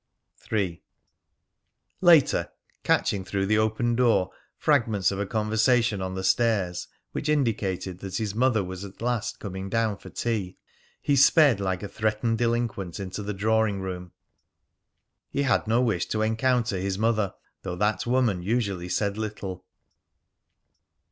III. Later, catching through the open door fragments of a conversation on the stairs which indicated that his mother was at last coming down for tea, he sped like a threatened delinquent into the drawing room. He had no wish to encounter his mother, though that woman usually said little.